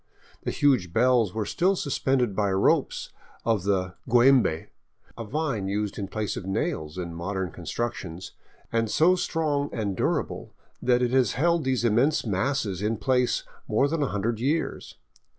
The huge bells were still suspended by ropes of giiembe, a vine used in place of nails in modern constructions, and so strong and durable that it has held these immense masses in place more than a hundred years.